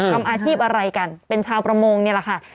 ทำอาชีพอะไรกันเป็นชาวประมงนี่แหละค่ะ